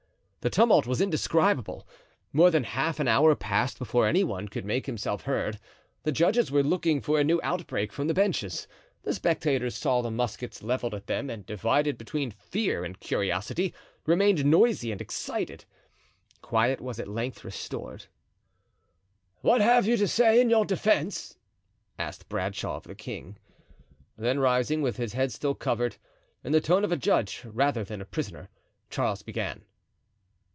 The tumult was indescribable. More than half an hour passed before any one could make himself heard. The judges were looking for a new outbreak from the benches. The spectators saw the muskets leveled at them, and divided between fear and curiosity, remained noisy and excited. Quiet was at length restored. "What have you to say in your defense?" asked Bradshaw of the king. Then rising, with his head still covered, in the tone of a judge rather than a prisoner, Charles began.